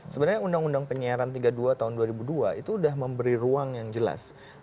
sebenarnya undang undang penyiaran tiga puluh dua tahun dua ribu dua itu sudah memberi ruang yang jelas